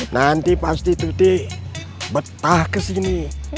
nanti pasti cuti betah ke sini